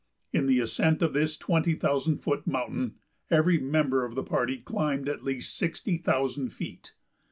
In the ascent of this twenty thousand foot mountain every member of the party climbed at least sixty thousand feet.